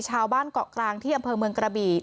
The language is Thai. เกาะกลางที่อำเภอเมืองกระบี่